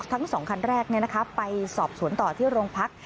ทั้ง๒คันแรกไปสอบสวนต่อที่โรงพัก